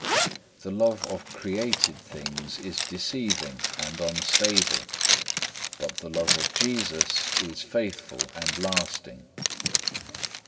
The love of created things is deceiving and unstable, but the love of Jesus is faithful and lasting.